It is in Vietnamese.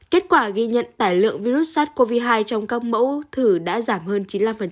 kết quả ghi nhận tải lượng virus sars cov hai trong các mẫu thử đã giảm hơn chín mươi năm